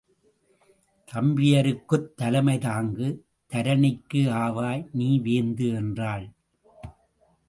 தம்பியருக்குத் தலைமை தாங்கு, தரணிக்கு ஆவாய் நீ வேந்து என்றாள்.